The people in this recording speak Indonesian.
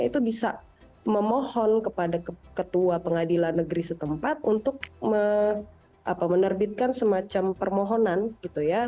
itu bisa memohon kepada ketua pengadilan negeri setempat untuk menerbitkan semacam permohonan gitu ya